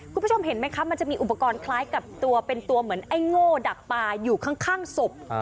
คุณผู้ชมเห็นไหมคะมันจะมีอุปกรณ์คล้ายกับตัวเป็นตัวเหมือนไอ้โง่ดักปลาอยู่ข้างศพ